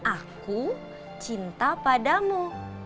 aku cinta padamu